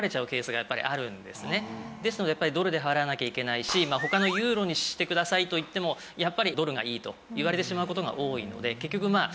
ですのでやっぱりドルで払わなきゃいけないし他のユーロにしてくださいと言ってもやっぱりドルがいいと言われてしまう事が多いので結局まあ。